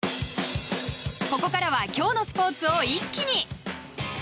ここからは今日のスポーツを一気に。